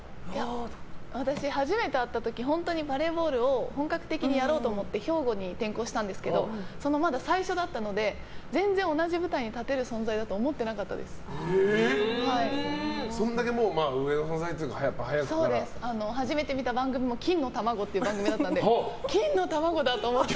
私、初めて会った時本当にバレーボールを本格的にやろうと思って兵庫に転校したんですけどまだ最初だったので全然、同じ舞台に立てる存在だとそれだけ大山さんが初めて見た番組も「金の卵」っていう番組だったんですけど金の卵だ！と思って。